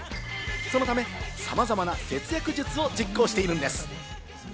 そのため、さまざまな節約術を実行しているんです。